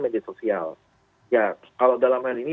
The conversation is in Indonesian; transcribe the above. media sosial ya kalau dalam hal ini